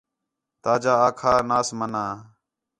تاجا آکھا ناس منّا